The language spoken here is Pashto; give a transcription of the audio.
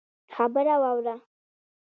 خبره واوره!